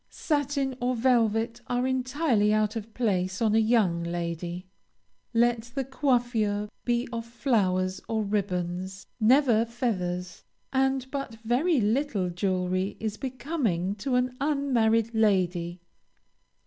Satin or velvet are entirely out of place on a young lady. Let the coiffure be of flowers or ribbons, never feathers, and but very little jewelry is becoming to an unmarried lady.